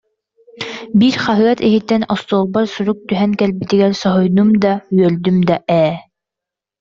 Биир хаһыат иһиттэн остуолбар сурук түһэн кэлбитигэр, соһуйдум да, үөрдүм да ээ